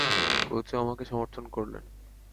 কোচও আমাকে সমর্থন করলেন।